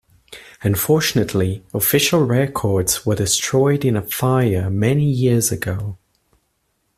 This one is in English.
Unfortunately, official records were destroyed in a fire many years ago.